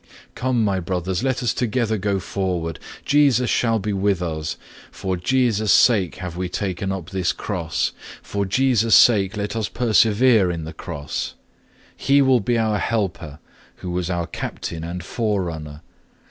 6. Come, my brothers, let us together go forward. Jesus shall be with us. For Jesus' sake have we taken up this cross, for Jesus' sake let us persevere in the cross. He will be our helper, who was our Captain and Forerunner.